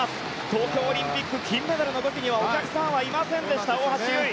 東京オリンピック金メダルの時にはお客さんはいませんでした大橋悠依。